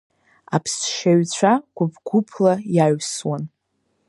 Аԥсшьаҩцәа гәыԥ-гәыԥла иаҩсуан.